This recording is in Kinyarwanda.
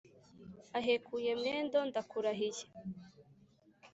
ahekuye mwendo ndakurahiye